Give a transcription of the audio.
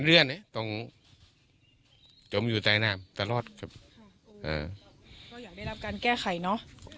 ต้องอย่างด้วยให้รับการแก้ไขเนอะ